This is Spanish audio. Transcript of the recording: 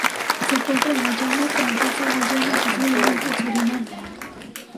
Se encuentra en Guayana Francesa, Guayana y posiblemente en Surinam.